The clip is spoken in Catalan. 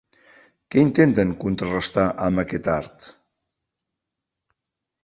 Què intenten contrarestar amb aquest art?